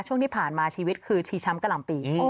ช่วงที่ผ่านมาชีวิตคือชีช้ำกะหล่ำปี